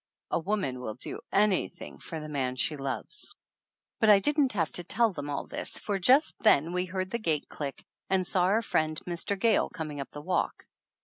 A woman will do anything for the man she loves. But I didn't have to tell them all this, for just then we heard the gate click and saw our friend, Mr. Gayle, coming up the walk.